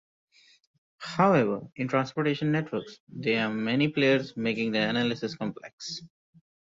However, in transportation networks, there are many players, making the analysis complex.